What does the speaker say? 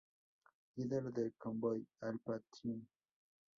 Líder del convoy "Alpha Team".